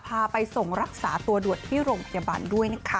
พาไปส่งรักษาตัวด่วนที่โรงพยาบาลด้วยนะคะ